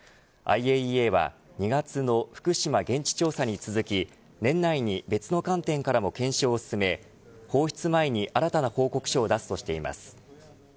ＩＡＥＡは２月の福島現地調査に続き年内に別の観点からも検証を進め放出前に新たな報告書を出すとしています。